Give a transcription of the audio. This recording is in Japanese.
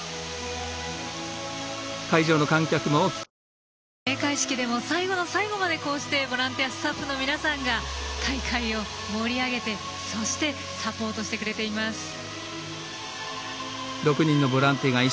きょうの閉会式でも最後の最後までこうしてボランティアスタッフの皆さんが大会を盛り上げてそしてサポートしてくれています。